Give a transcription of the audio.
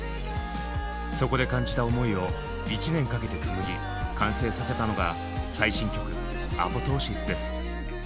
そこで感じた思いを１年かけて紡ぎ完成させたのが最新曲「アポトーシス」です。